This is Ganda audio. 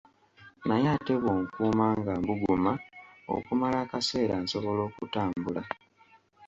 Naye ate bw’onkuuma nga mbuguma okumala akasera, nsobola okutambula.